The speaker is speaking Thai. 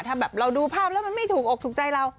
ถ้าแบบเราดูภาพแล้วมันไม่ถูกอกถูกใจเรา